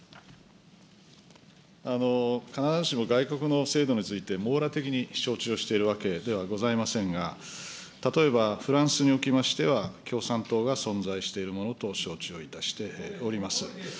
必ずしも外国の制度について網羅的に承知をしているわけではございませんが、例えばフランスにおきましては、共産党が存在しているものと承知をいたしております。